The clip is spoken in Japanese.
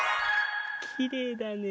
きれいだね。